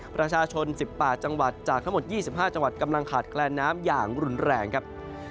ประชาชน๑๘จังหวัดจากทั้งหมด๒๕จังหวัดกำลังขาดแคลนน้ำอย่างรุนแรงครับ